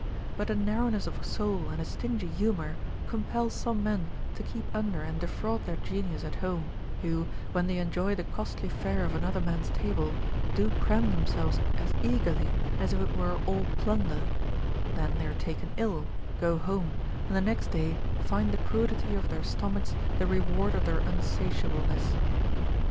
But a narrowness of soul and a stingy humor compel some men to keep under and defraud their genius at home, \vho, when they enjoy the costly fare of another man's table, do cram themselves as eagerly as if it were all plunder ; then they are taken ill, go home, and the next day find the crudity of their stomachs the reward of their unsatiableness.